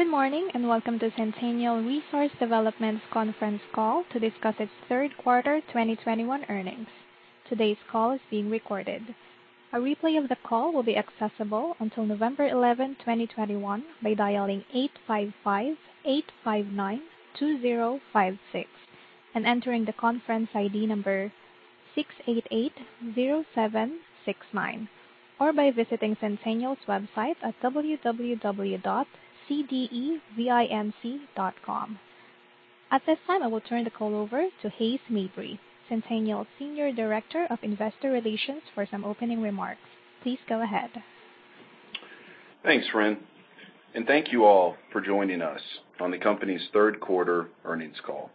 Good morning, and welcome to Centennial Resource Development's conference call to discuss its 3rd quarter 2021 earnings. Today's call is being recorded. A replay of the call will be accessible until November 11, 2021 by dialing 855-859-2056 and entering the conference ID number 6880769, or by visiting Centennial's website at www.cdevinc.com. At this time, I will turn the call over to Hays Mabry, Centennial's Senior Director of Investor Relations, for some opening remarks. Please go ahead. Thanks, Ren. Thank you all for joining us on the company's 3rd Quarter Earnings Call.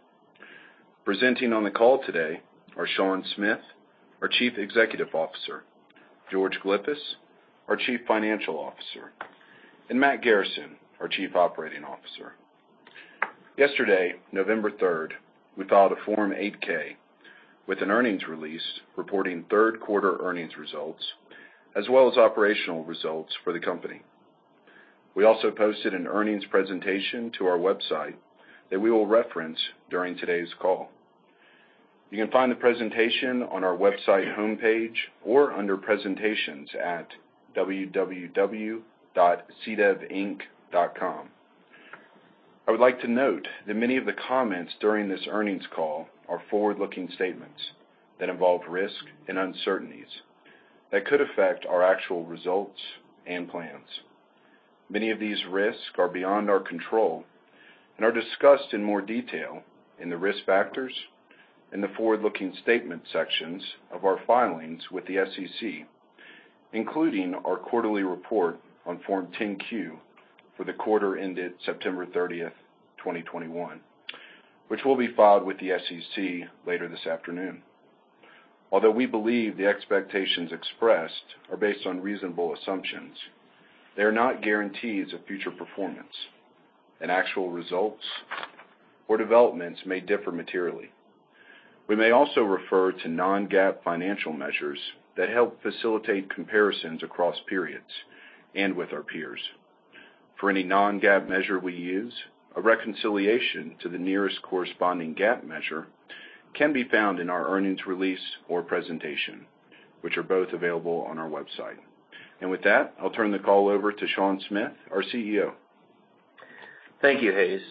Presenting on the call today are Sean Smith, our Chief Executive Officer, George Glyphis, our Chief Financial Officer, and Matt Garrison, our Chief Operating Officer. Yesterday, November 3rd, we filed a Form 8-K with an earnings release reporting 3rd quarter earnings results, as well as operational results for the company. We also posted an earnings presentation to our website that we will reference during today's call. You can find the presentation on our website homepage or under Presentations at www.cdevinc.com. I would like to note that many of the comments during this earnings call are forward-looking statements that involve risk and uncertainties that could affect our actual results and plans. Many of these risks are beyond our control and are discussed in more detail in the Risk Factors in the Forward-Looking Statements sections of our filings with the SEC, including our quarterly report on Form 10-Q for the quarter ended September 30, 2021, which will be filed with the SEC later this afternoon. Although we believe the expectations expressed are based on reasonable assumptions, they are not guarantees of future performance, and actual results or developments may differ materially. We may also refer to non-GAAP financial measures that help facilitate comparisons across periods and with our peers. For any non-GAAP measure we use, a reconciliation to the nearest corresponding GAAP measure can be found in our earnings release or presentation, which are both available on our website. With that, I'll turn the call over to Sean Smith, our CEO. Thank you, Hays.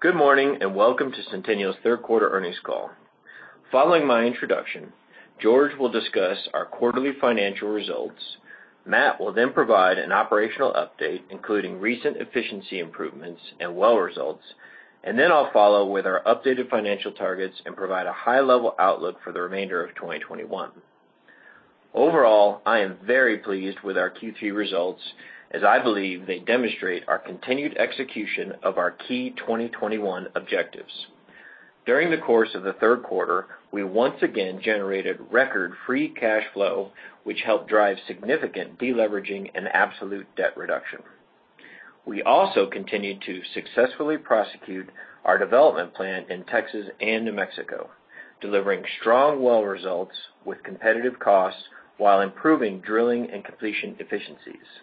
Good morning, and welcome to Centennial's 3rd Quarter Earnings Call. Following my introduction, George will discuss our quarterly financial results. Matt will then provide an operational update, including recent efficiency improvements and well results. I'll follow with our updated financial targets and provide a high-level outlook for the remainder of 2021. Overall, I am very pleased with our Q3 results as I believe they demonstrate our continued execution of our key 2021 objectives. During the course of the 3rd quarter, we once again generated record free cash flow, which helped drive significant deleveraging and absolute debt reduction. We also continued to successfully prosecute our development plan in Texas and New Mexico, delivering strong well results with competitive costs while improving drilling and completion efficiencies.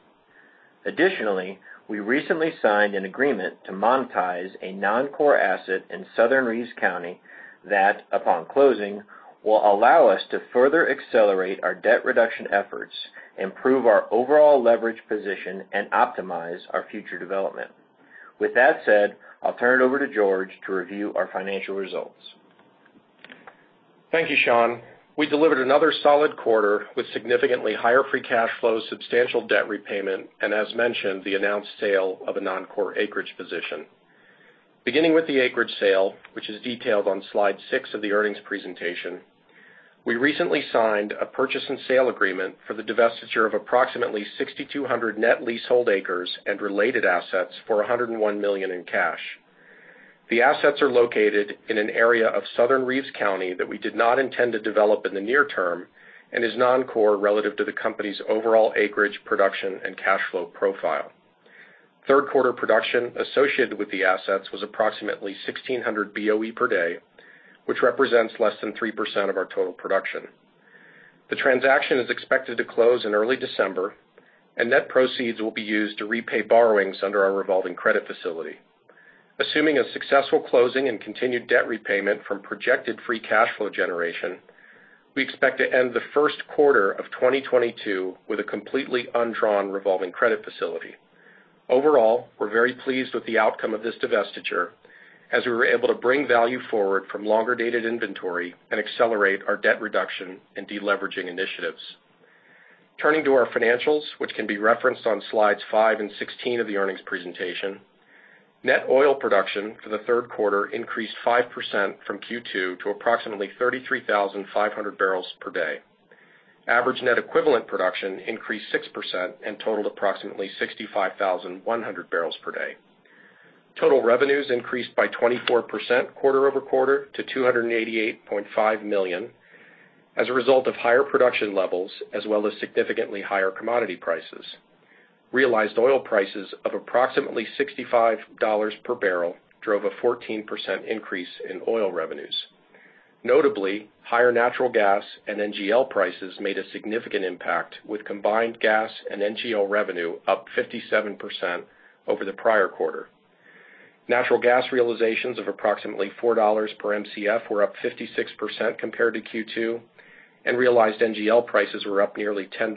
Additionally, we recently signed an agreement to monetize a non-core asset in Southern Reeves County that, upon closing, will allow us to further accelerate our debt reduction efforts, improve our overall leverage position, and optimize our future development. With that said, I'll turn it over to George to review our financial results. Thank you, Sean. We delivered another solid quarter with significantly higher free cash flow, substantial debt repayment, and as mentioned, the announced sale of a non-core acreage position. Beginning with the acreage sale, which is detailed on slide 6 of the earnings presentation, we recently signed a purchase and sale agreement for the divestiture of approximately 6,200 net leasehold acres and related assets for $101 million in cash. The assets are located in an area of Southern Reeves County that we did not intend to develop in the near term and is non-core relative to the company's overall acreage, production, and cash flow profile. Third quarter production associated with the assets was approximately 1,600 BOE per day, which represents less than 3% of our total production. The transaction is expected to close in early December, and net proceeds will be used to repay borrowings under our revolving credit facility. Assuming a successful closing and continued debt repayment from projected free cash flow generation, we expect to end the 1st quarter of 2022 with a completely undrawn revolving credit facility. Overall, we're very pleased with the outcome of this divestiture, as we were able to bring value forward from longer-dated inventory and accelerate our debt reduction and deleveraging initiatives. Turning to our financials, which can be referenced on slides 5 and 16 of the earnings presentation. Net oil production for the 3rd quarter increased 5% from Q2 to approximately 33,500 barrels per day. Average net equivalent production increased 6% and totaled approximately 65,100 barrels per day. Total revenues increased by 24% quarter-over-quarter to $288.5 million as a result of higher production levels as well as significantly higher commodity prices. Realized oil prices of approximately $65 per barrel drove a 14% increase in oil revenues. Notably, higher natural gas and NGL prices made a significant impact, with combined gas and NGL revenue up 57% over the prior quarter. Natural gas realizations of approximately $4 per Mcf were up 56% compared to Q2, and realized NGL prices were up nearly $10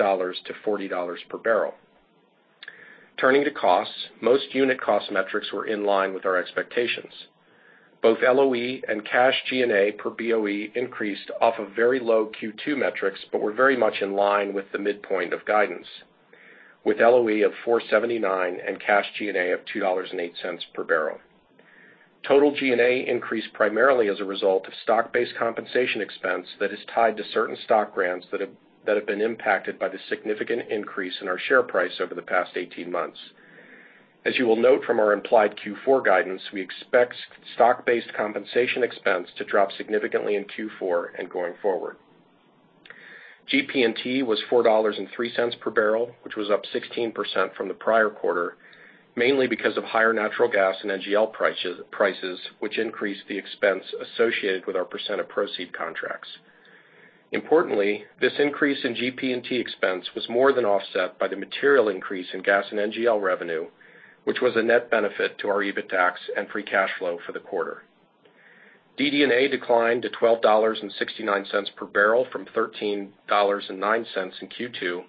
to $40 per barrel. Turning to costs, most unit cost metrics were in line with our expectations. Both LOE and cash G&A per BOE increased off of very low Q2 metrics, but were very much in line with the midpoint of guidance, with LOE of $4.79 and cash G&A of $2.08 per barrel. Total G&A increased primarily as a result of stock-based compensation expense that is tied to certain stock grants that have been impacted by the significant increase in our share price over the past 18 months. As you will note from our implied Q4 guidance, we expect stock-based compensation expense to drop significantly in Q4 and going forward. GP&T was $4.03 per barrel, which was up 16% from the prior quarter, mainly because of higher natural gas and NGL prices, which increased the expense associated with our percent of proceeds contracts. Importantly, this increase in GP&T expense was more than offset by the material increase in gas and NGL revenue, which was a net benefit to our EBITDAX and free cash flow for the quarter. DD&A declined to $12.69 per barrel from $13.09 in Q2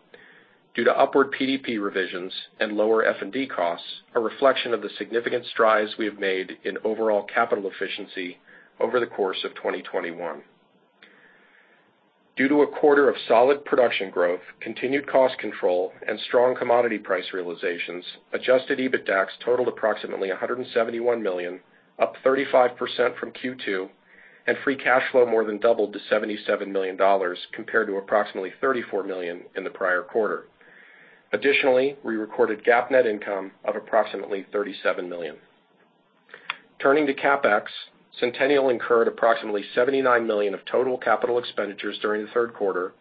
due to upward PDP revisions and lower F&D costs, a reflection of the significant strides we have made in overall capital efficiency over the course of 2021. Due to a quarter of solid production growth, continued cost control, and strong commodity price realizations, adjusted EBITDAX totaled approximately $171 million, up 35% from Q2, and free cash flow more than doubled to $77 million, compared to approximately $34 million in the prior quarter. Additionally, we recorded GAAP net income of approximately $37 million. Turning to CapEx, Centennial incurred approximately $79 million of total capital expenditures during the 3rd quarter,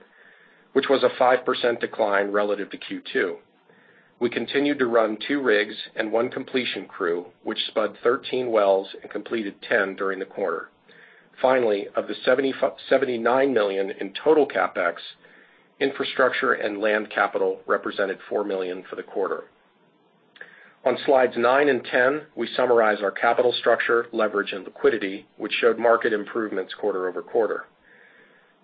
which was a 5% decline relative to Q2. We continued to run 2 rigs and one completion crew, which spud 13 wells and completed 10 during the quarter. Of the $79 million in total CapEx, infrastructure and land capital represented $4 million for the quarter. On slides 9 and 10, we summarize our capital structure, leverage, and liquidity, which showed market improvements quarter-over-quarter.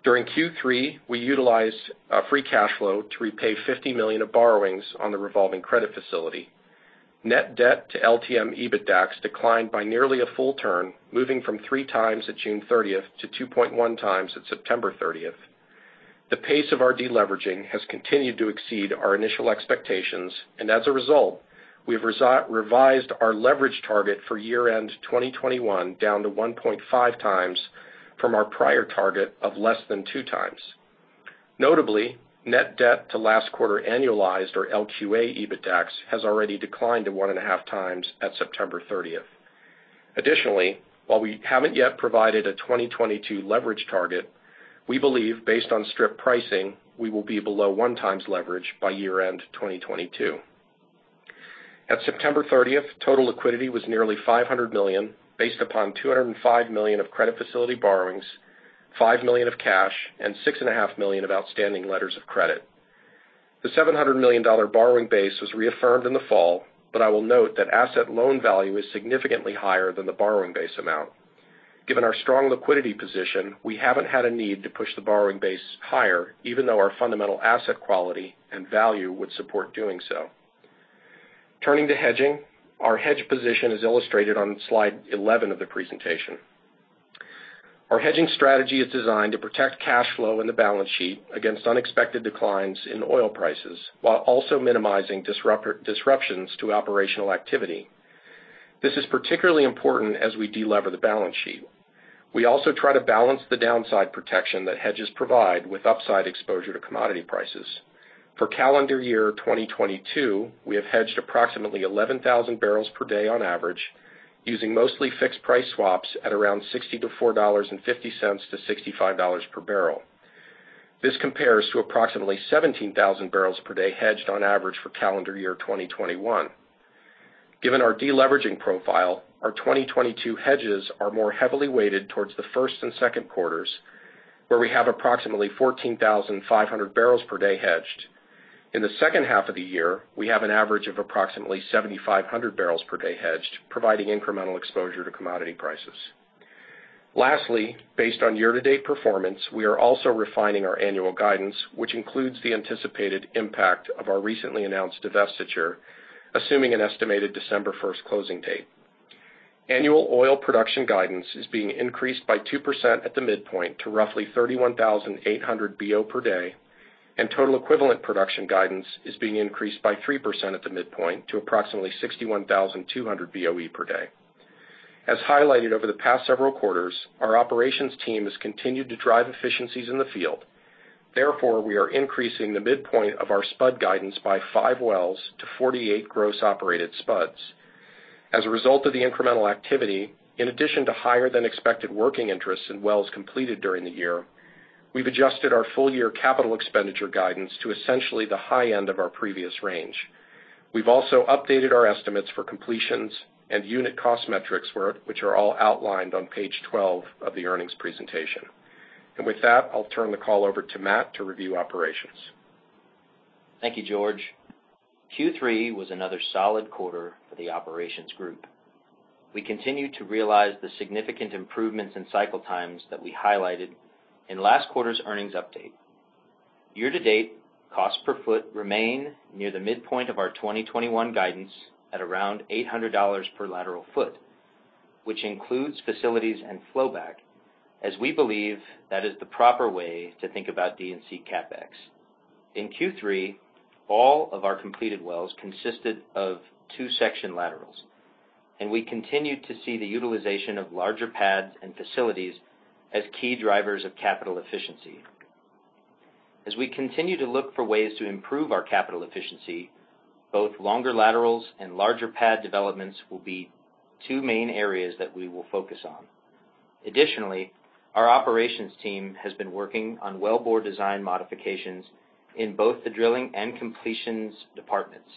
During Q3, we utilized free cash flow to repay $50 million of borrowings on the revolving credit facility. Net debt to LTM EBITDAX declined by nearly a full turn, moving from 3x at June 30 to 2.1x at September 30. The pace of our deleveraging has continued to exceed our initial expectations, and as a result, we've revised our leverage target for year-end 2021 down to 1.5x from our prior target of less than 2x. Notably, net debt to last quarter annualized or LQA EBITDAX has already declined to 1.5x at September 30. Additionally, while we haven't yet provided a 2022 leverage target, we believe based on strip pricing, we will be below 1x leverage by year-end 2022. At September 30, total liquidity was nearly $500 million based upon $205 million of credit facility borrowings, $5 million of cash, and $6.5 million of outstanding letters of credit. The $700 million borrowing base was reaffirmed in the fall, but I will note that asset loan value is significantly higher than the borrowing base amount. Given our strong liquidity position, we haven't had a need to push the borrowing base higher, even though our fundamental asset quality and value would support doing so. Turning to hedging, our hedge position is illustrated on slide 11 of the presentation. Our hedging strategy is designed to protect cash flow in the balance sheet against unexpected declines in oil prices, while also minimizing disruptions to operational activity. This is particularly important as we de-lever the balance sheet. We also try to balance the downside protection that hedges provide with upside exposure to commodity prices. For calendar year 2022, we have hedged approximately 11,000 barrels per day on average, using mostly fixed price swaps at around $64.50-$65 per barrel. This compares to approximately 17,000 barrels per day hedged on average for calendar year 2021. Given our deleveraging profile, our 2022 hedges are more heavily weighted towards the 1st and 2nd quarters, where we have approximately 14,500 barrels per day hedged. In the second half of the year, we have an average of approximately 7,500 barrels per day hedged, providing incremental exposure to commodity prices. Lastly, based on year-to-date performance, we are also refining our annual guidance, which includes the anticipated impact of our recently announced divestiture, assuming an estimated December 1 closing date. Annual oil production guidance is being increased by 2% at the midpoint to roughly 31,800 BO per day, and total equivalent production guidance is being increased by 3% at the midpoint to approximately 61,200 BOE per day. As highlighted over the past several quarters, our operations team has continued to drive efficiencies in the field. Therefore, we are increasing the midpoint of our spud guidance by 5 wells to 48 gross operated spuds. As a result of the incremental activity, in addition to higher than expected working interests in wells completed during the year- We've adjusted our full-year capital expenditure guidance to essentially the high end of our previous range. We've also updated our estimates for completions and unit cost metrics, which are all outlined on page 12 of the earnings presentation. With that, I'll turn the call over to Matt to review operations. Thank you, George. Q3 was another solid quarter for the operations group. We continue to realize the significant improvements in cycle times that we highlighted in last quarter's earnings update. Year-to-date cost per foot remains near the midpoint of our 2021 guidance at around $800 per lateral foot, which includes facilities and flow back, as we believe that is the proper way to think about D&C CapEx. In Q3, all of our completed wells consisted of 2 section laterals, and we continued to see the utilization of larger pads and facilities as key drivers of capital efficiency. We continue to look for ways to improve our capital efficiency, both longer laterals and larger pad developments will be two main areas that we will focus on. Additionally, our operations team has been working on well bore design modifications in both the drilling and completions departments.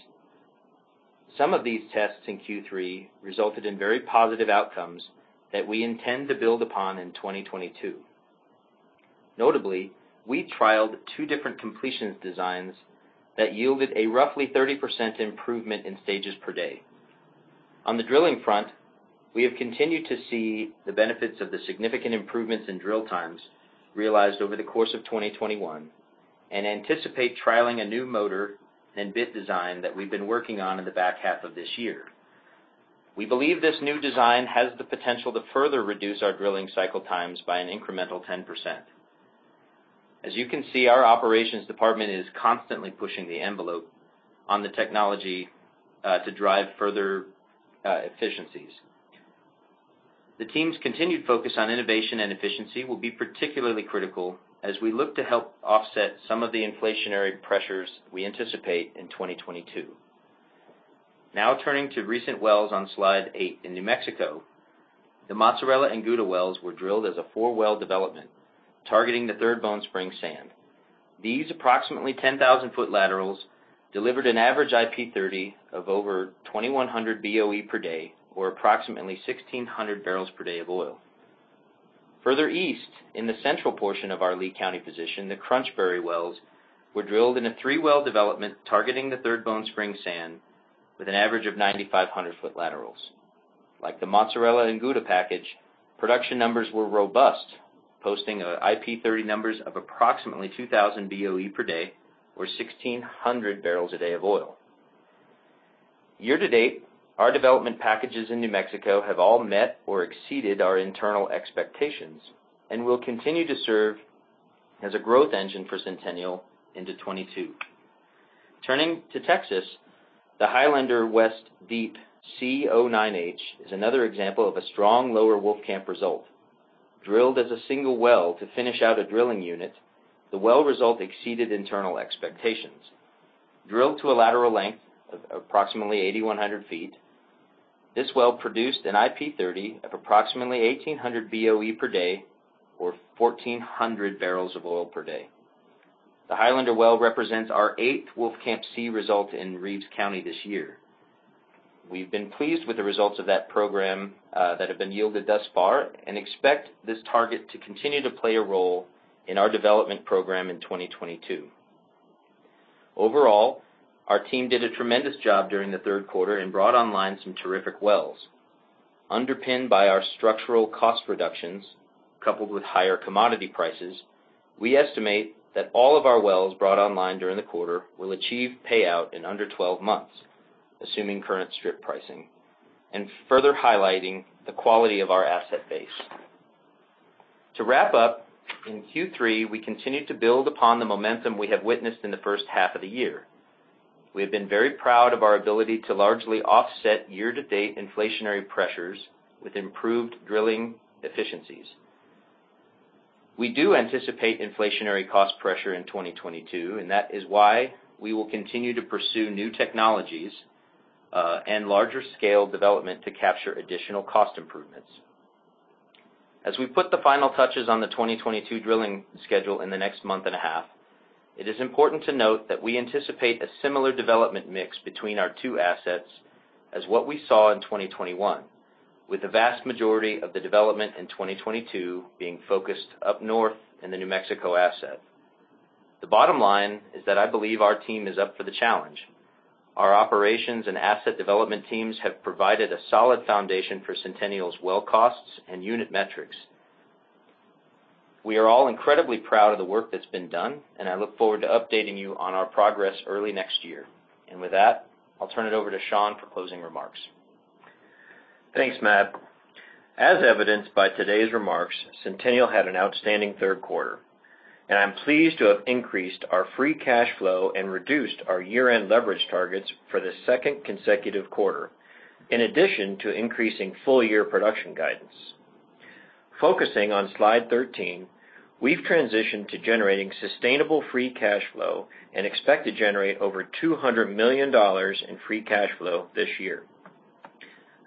Some of these tests in Q3 resulted in very positive outcomes that we intend to build upon in 2022. Notably, we trialed two different completions designs that yielded a roughly 30% improvement in stages per day. On the drilling front, we have continued to see the benefits of the significant improvements in drill times realized over the course of 2021, and anticipate trialing a new motor and bit design that we've been working on in the back half of this year. We believe this new design has the potential to further reduce our drilling cycle times by an incremental 10%. As you can see, our operations department is constantly pushing the envelope on the technology to drive further efficiencies. The team's continued focus on innovation and efficiency will be particularly critical as we look to help offset some of the inflationary pressures we anticipate in 2022. Now turning to recent wells on slide 8. In New Mexico, the Mozzarella and Gouda wells were drilled as a 4-well development, targeting the Third Bone Spring sand. These approximately 10,000 foot laterals delivered an average IP30 of over 2,100 BOE per day, or approximately 1,600 barrels per day of oil. Further east, in the central portion of our Lea County position, the Crunch Berry wells were drilled in a 3-well development targeting the Third Bone Spring sand with an average of 9,500 foot laterals. Like the Mozzarella and Gouda package, production numbers were robust, posting IP30 numbers of approximately 2,000 BOE per day, or 1,600 barrels a day of oil. Year-to-date, our development packages in New Mexico have all met or exceeded our internal expectations and will continue to serve as a growth engine for Centennial into 2022. Turning to Texas, the Highlander West Deep C-Oh-nine-H is another example of a strong lower Wolfcamp result. Drilled as a single well to finish out a drilling unit, the well result exceeded internal expectations. Drilled to a lateral length of approximately 8100 feet, this well produced an IP30 of approximately 1800 BOE per day or 1400 barrels of oil per day. The Highlander well represents our eighth Wolfcamp C result in Reeves County this year. We've been pleased with the results of that program that have been yielded thus far and expect this target to continue to play a role in our development program in 2022. Overall, our team did a tremendous job during the 3rd quarter and brought online some terrific wells. Underpinned by our structural cost reductions coupled with higher commodity prices, we estimate that all of our wells brought online during the quarter will achieve payout in under 12 months, assuming current strip pricing, and further highlighting the quality of our asset base. To wrap up, in Q3, we continued to build upon the momentum we have witnessed in the first half of the year. We have been very proud of our ability to largely offset year-to-date inflationary pressures with improved drilling efficiencies. We do anticipate inflationary cost pressure in 2022, and that is why we will continue to pursue new technologies and larger scale development to capture additional cost improvements. As we put the final touches on the 2022 drilling schedule in the next month and a half, it is important to note that we anticipate a similar development mix between our two assets as what we saw in 2021, with the vast majority of the development in 2022 being focused up north in the New Mexico asset. The bottom line is that I believe our team is up for the challenge. Our operations and asset development teams have provided a solid foundation for Centennial's well costs and unit metrics. We are all incredibly proud of the work that's been done, and I look forward to updating you on our progress early next year. With that, I'll turn it over to Sean for closing remarks. Thanks, Matt. As evidenced by today's remarks, Centennial had an outstanding 3rd quarter. I'm pleased to have increased our free cash flow and reduced our year-end leverage targets for the second consecutive quarter, in addition to increasing full-year production guidance. Focusing on slide 13, we've transitioned to generating sustainable free cash flow and expect to generate over $200 million in free cash flow this year.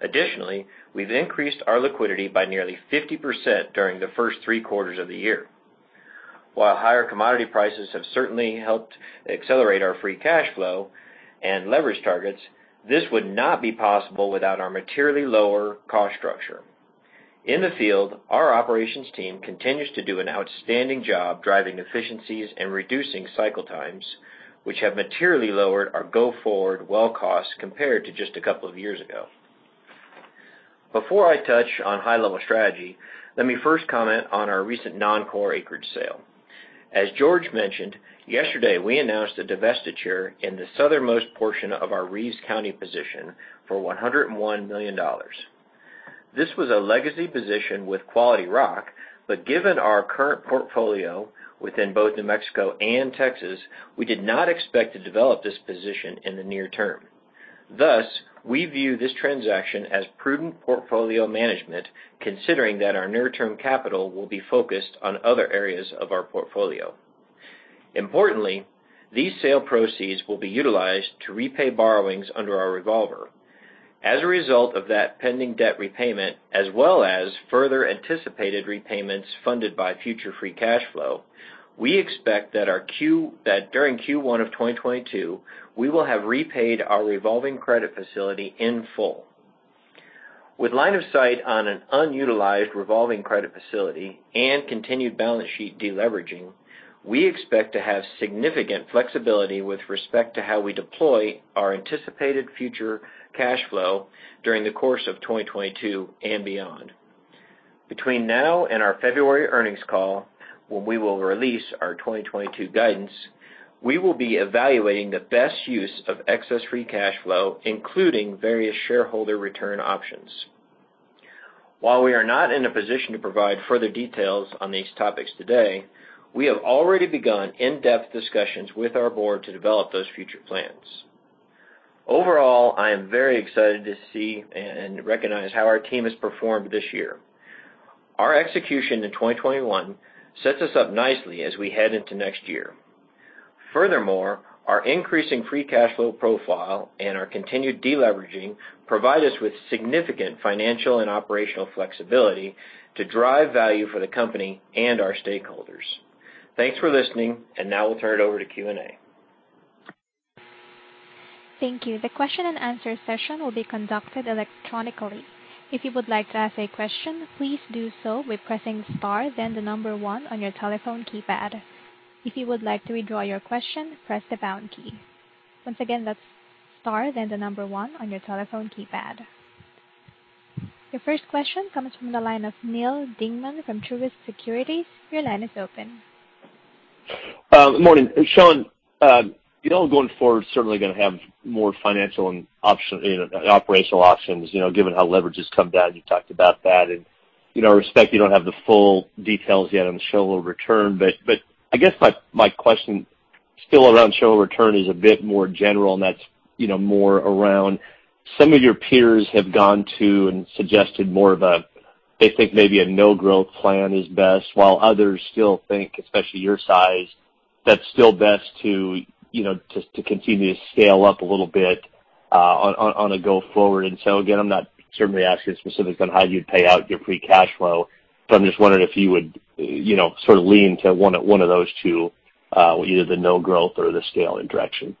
Additionally, we've increased our liquidity by nearly 50% during the 1st 3 quarters of the year. While higher commodity prices have certainly helped accelerate our free cash flow and leverage targets, this would not be possible without our materially lower cost structure. In the field, our operations team continues to do an outstanding job driving efficiencies and reducing cycle times, which have materially lowered our go-forward well costs compared to just a couple of years ago. Before I touch on high level strategy, let me first comment on our recent non-core acreage sale. As George mentioned, yesterday, we announced a divestiture in the southernmost portion of our Reeves County position for $101 million. This was a legacy position with quality rock, but given our current portfolio within both New Mexico and Texas, we did not expect to develop this position in the near term. Thus, we view this transaction as prudent portfolio management, considering that our near-term capital will be focused on other areas of our portfolio. Importantly, these sale proceeds will be utilized to repay borrowings under our revolver. As a result of that pending debt repayment, as well as further anticipated repayments funded by future free cash flow, we expect that during Q1 of 2022, we will have repaid our revolving credit facility in full. With line of sight on an unutilized revolving credit facility and continued balance sheet de-leveraging, we expect to have significant flexibility with respect to how we deploy our anticipated future cash flow during the course of 2022 and beyond. Between now and our February earnings call, when we will release our 2022 guidance, we will be evaluating the best use of excess free cash flow, including various shareholder return options. While we are not in a position to provide further details on these topics today, we have already begun in-depth discussions with our board to develop those future plans. Overall, I am very excited to see and recognize how our team has performed this year. Our execution in 2021 sets us up nicely as we head into next year. Furthermore, our increasing free cash flow profile and our continued deleveraging provide us with significant financial and operational flexibility to drive value for the company and our stakeholders. Thanks for listening, and now we'll turn it over to Q&A. Thank you. The question and answer session will be conducted electronically. If you would like to ask a question, please do so by pressing star then the number 1 on your telephone keypad. If you would like to withdraw your question, press the pound key. Once again, that's star then the number 1 on your telephone keypad. Your first question comes from the line of Neal Dingmann from Truist Securities. Your line is open. Morning. Sean, you know going forward, certainly gonna have more financial and operational options, you know, given how leverage has come down. You talked about that. I respect you don't have the full details yet on shareholder return, but I guess my question still around shareholder return is a bit more general, and that's, you know, more around some of your peers have gone to and suggested more of a, they think maybe a no-growth plan is best, while others still think, especially your size, that's still best to, you know, to continue to scale up a little bit on a go forward. Again, I'm not certainly asking specifics on how you'd pay out your free cash flow, but I'm just wondering if you would, you know, sort of lean to one of those two, either the no-growth or the scaling direction.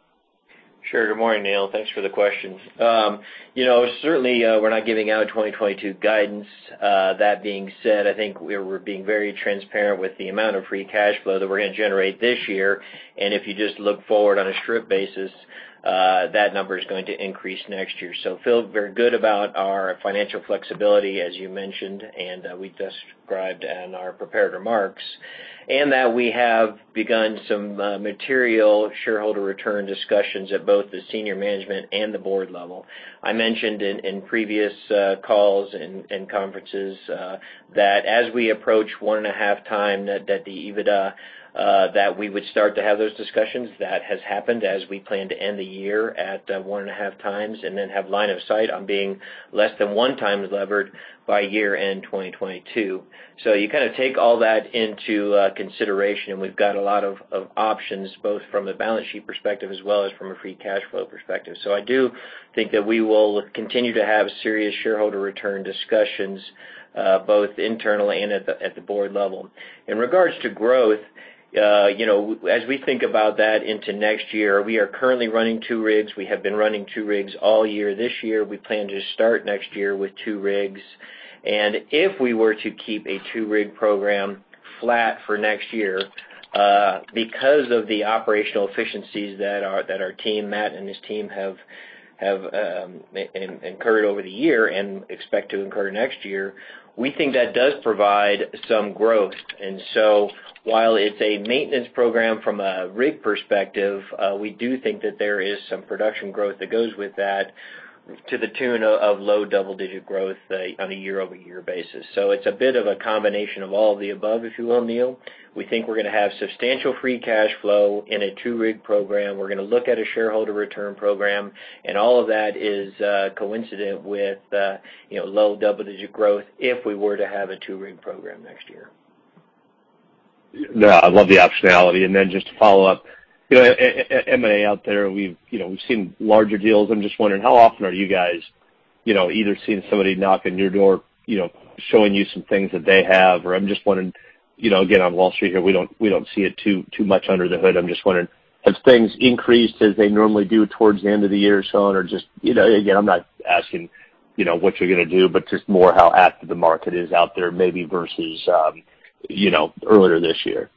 Sure. Good morning, Neal. Thanks for the questions. You know, certainly, we're not giving out 2022 guidance. That being said, I think we're being very transparent with the amount of free cash flow that we're gonna generate this year. If you just look forward on a strip basis, that number is going to increase next year. Feel very good about our financial flexibility, as you mentioned, and we described in our prepared remarks, and that we have begun some material shareholder return discussions at both the senior management and the board level. I mentioned in previous calls and conferences that as we approach 1.5x the EBITDA that we would start to have those discussions. That has happened as we plan to end the year at 1.5x, and then have line of sight on being less than 1x levered by year-end 2022. You kinda take all that into consideration, and we've got a lot of options, both from a balance sheet perspective as well as from a free cash flow perspective. I do think that we will continue to have serious shareholder return discussions, both internally and at the board level. In regards to growth, you know, as we think about that into next year, we are currently running 2 rigs. We have been running 2 rigs all year this year. We plan to start next year with 2 rigs. If we were to keep a 2-rig program flat for next year, because of the operational efficiencies that our team, Matt and his team have incurred over the year and expect to incur next year, we think that does provide some growth. While it's a maintenance program from a rig perspective, we do think that there is some production growth that goes with that, to the tune of low double-digit growth, on a year-over-year basis. It's a bit of a combination of all of the above, if you will, Neal. We think we're gonna have substantial free cash flow in a 2-rig program. We're gonna look at a shareholder return program, and all of that is coincident with, you know, low double-digit growth if we were to have a 2-rig program next year. No, I love the optionality. Just to follow up, you know, M&A out there, we've, you know, we've seen larger deals. I'm just wondering how often are you guys, you know, either seeing somebody knock on your door, you know, showing you some things that they have, or I'm just wondering, you know, again, on Wall Street here, we don't see it too much under the hood. I'm just wondering, have things increased as they normally do towards the end of the year or so? Just, you know, again, I'm not asking, you know, what you're gonna do, but just more how active the market is out there, maybe versus, you know, earlier this year.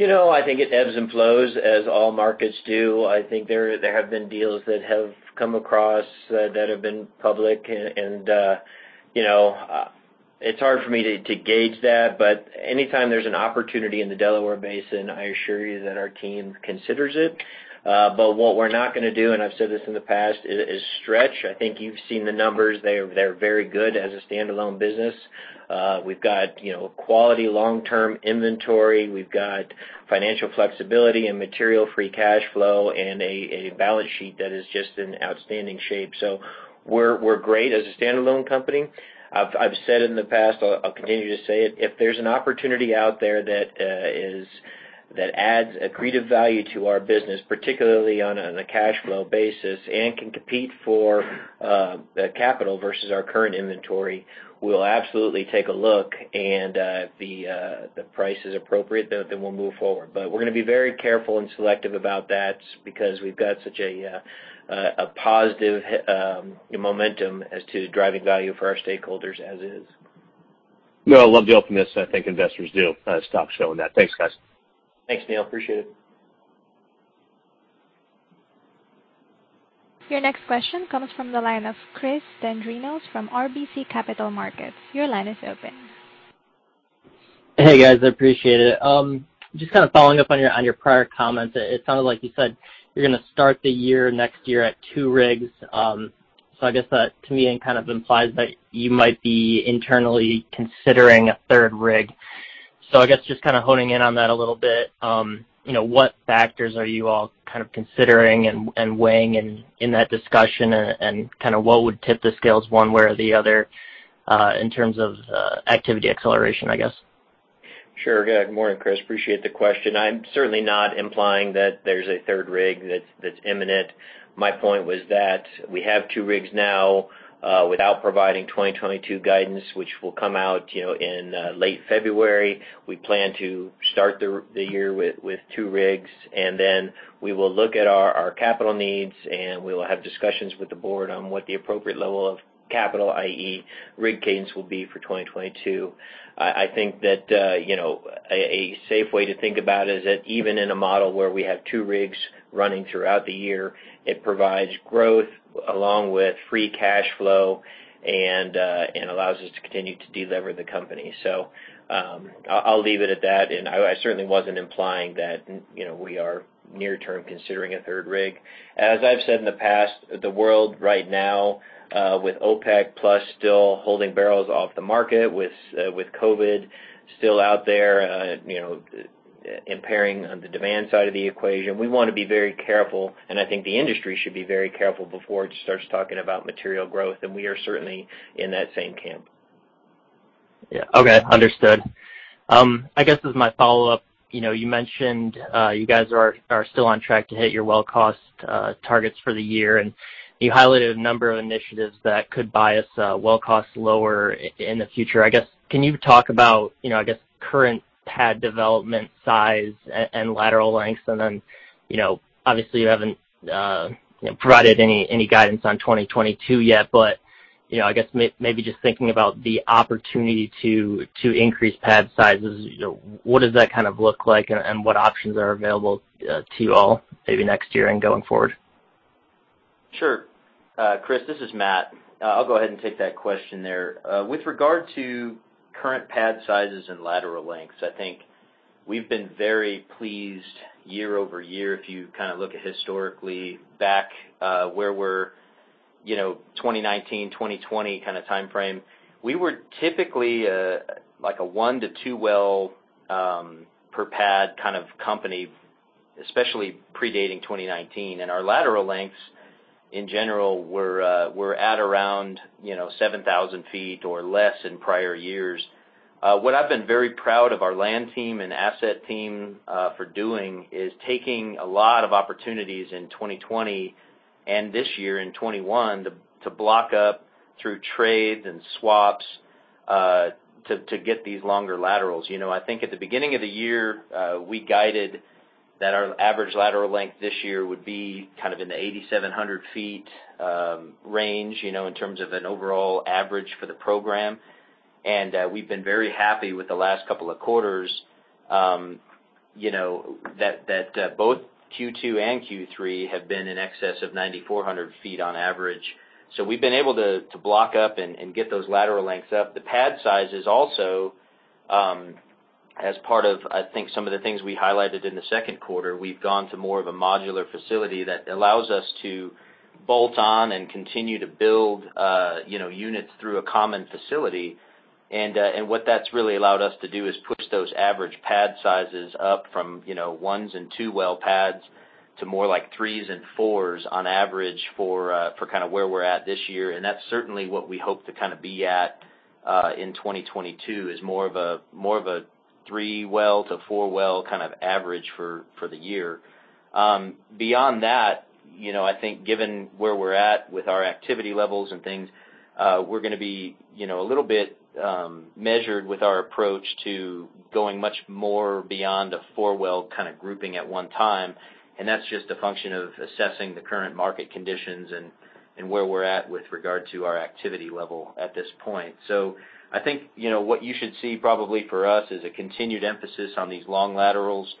You know, I think it ebbs and flows as all markets do. I think there have been deals that have come across that have been public and, you know, it's hard for me to gauge that. Anytime there's an opportunity in the Delaware Basin, I assure you that our team considers it. What we're not gonna do, and I've said this in the past, is stretch. I think you've seen the numbers. They're very good as a standalone business. We've got, you know, quality long-term inventory. We've got financial flexibility and material free cash flow and a balance sheet that is just in outstanding shape. We're great as a standalone company. I've said in the past, I'll continue to say it. If there's an opportunity out there that adds accretive value to our business, particularly on a cash flow basis, and can compete for capital versus our current inventory, we'll absolutely take a look, and if the price is appropriate, then we'll move forward. But we're gonna be very careful and selective about that because we've got such a positive momentum as to driving value for our stakeholders as is. No, I love the openness. I think investors do. Stock showing that. Thanks, guys. Thanks, Neal. Appreciate it. Your next question comes from the line of Chris Dendrinos from RBC Capital Markets. Your line is open. Hey, guys. I appreciate it. Just kind of following up on your prior comments. It sounded like you said you're gonna start the year next year at 2 rigs. I guess that to me kind of implies that you might be internally considering a 3rd rig. I guess just kind of honing in on that a little bit, you know, what factors are you all kind of considering and weighing in that discussion? Kind of what would tip the scales one way or the other, in terms of activity acceleration, I guess? Sure. Good morning, Chris. Appreciate the question. I'm certainly not implying that there's a 3rd rig that's imminent. My point was that we have 2 rigs now, without providing 2022 guidance, which will come out, you know, in late February. We plan to start the year with 2 rigs, and then we will look at our capital needs, and we will have discussions with the board on what the appropriate level of capital, i.e. rig cadence, will be for 2022. I think that, you know, a safe way to think about it is that even in a model where we have 2 rigs running throughout the year, it provides growth along with free cash flow and allows us to continue to delIver the company. I'll leave it at that. I certainly wasn't implying that, you know, we are near term considering a third rig. As I've said in the past, the world right now, with OPEC+ still holding barrels off the market, with COVID still out there, you know, impairing on the demand side of the equation, we wanna be very careful, and I think the industry should be very careful before it starts talking about material growth, and we are certainly in that same camp. Yeah. Okay. Understood. I guess as my follow-up, you know, you mentioned, you guys are still on track to hit your well cost targets for the year, and you highlighted a number of initiatives that could bias well cost lower in the future. I guess, can you talk about, you know, I guess, current pad development size and lateral lengths? And then, you know, obviously, you haven't, you know, provided any guidance on 2022 yet, but, you know, I guess maybe just thinking about the opportunity to increase pad sizes, you know, what does that kind of look like and what options are available to you all maybe next year and going forward? Sure. Chris, this is Matt. I'll go ahead and take that question there. With regard to current pad sizes and lateral lengths, I think we've been very pleased year-over-year if you kind of look at historically back, where we're, you know, 2019, 2020 kind of timeframe. We were typically, like a 1- to 2-well per pad kind of company, especially predating 2019. Our lateral lengths in general were at around, you know, 7,000 ft or less in prior years. What I've been very proud of our land team and asset team for doing is taking a lot of opportunities in 2020 and this year in 2021 to block up through trades and swaps to get these longer laterals. You know, I think at the beginning of the year, we guided that our average lateral length this year would be kind of in the 8,700 ft range, you know, in terms of an overall average for the program. We've been very happy with the last couple of quarters, you know, both Q2 and Q3 have been in excess of 9,400 ft on average. We've been able to block up and get those lateral lengths up. The pad sizes also, as part of, I think, some of the things we highlighted in the 2nd quarter, we've gone to more of a modular facility that allows us to bolt on and continue to build, you know, units through a common facility. What that's really allowed us to do is push those average pad sizes up from, you know, 1- and 2-well pads to more like 3- and 4-well pads on average for kind of where we're at this year. That's certainly what we hope to kind of be at in 2022, is more of a 3-well to 4-well kind of average for the year. Beyond that, you know, I think given where we're at with our activity levels and things, we're gonna be, you know, a little bit measured with our approach to going much more beyond a 4-well kind of grouping at one time. That's just a function of assessing the current market conditions and where we're at with regard to our activity level at this point. I think, you know, what you should see probably for us is a continued emphasis on these long laterals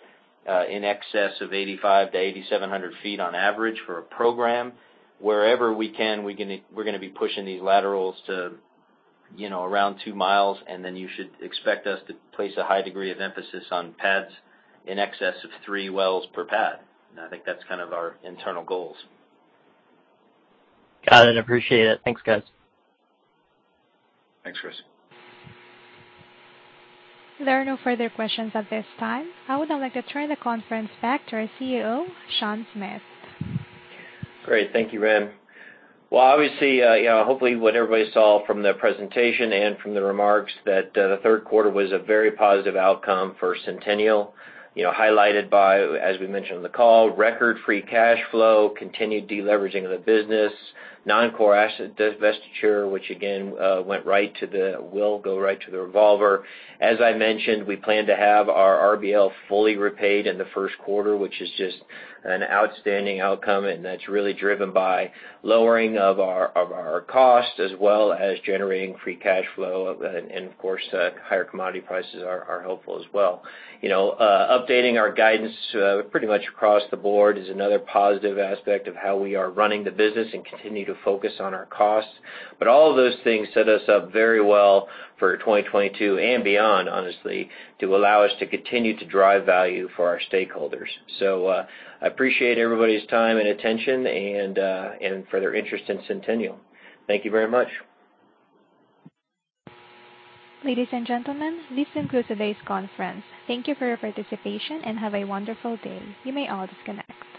in excess of 8,500-8,700 ft on average for a program. Wherever we can, we're gonna be pushing these laterals to, you know, around 2 mi. Then you should expect us to place a high degree of emphasis on pads in excess of 3 wells per pad. I think that's kind of our internal goals. Got it. Appreciate it. Thanks, guys. Thanks, Chris. There are no further questions at this time. I would now like to turn the conference back to our CEO, Sean Smith. Great, thank you, Ren. Well, obviously, you know, hopefully what everybody saw from the presentation and from the remarks that the 3rd quarter was a very positive outcome for Centennial. You know, highlighted by, as we mentioned on the call, record free cash flow, continued deleveraging of the business, non-core asset divestiture, which again, will go right to the revolver. As I mentioned, we plan to have our RBL fully repaid in the 1st quarter, which is just an outstanding outcome, and that's really driven by lowering of our costs as well as generating free cash flow. And of course, higher commodity prices are helpful as well. You know, updating our guidance pretty much across the board is another positive aspect of how we are running the business and continue to focus on our costs. All of those things set us up very well for 2022 and beyond, honestly, to allow us to continue to drive value for our stakeholders. I appreciate everybody's time and attention and for their interest in Centennial. Thank you very much. Ladies and gentlemen, this concludes today's conference. Thank you for your participation, and have a wonderful day. You may all disconnect.